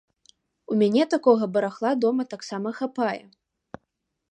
У мяне такога барахла дома таксама хапае.